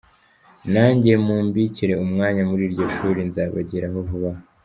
Nanjye mumbikire umwanya muri iryo shuri nzabageraho vuba aha.